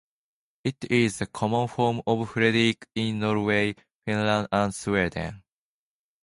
It is the common form of Frederick in Norway, Finland and Sweden.